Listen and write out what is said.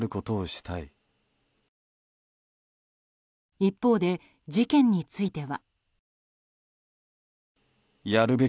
一方で、事件については。